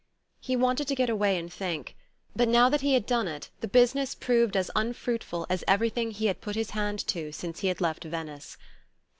He wanted to get away and think; but now that he had done it the business proved as unfruitful as everything he had put his hand to since he had left Venice.